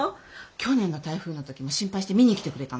去年の台風の時も心配して見に来てくれたの。